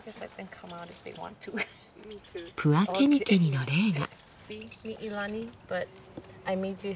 プアケニケニのレイが。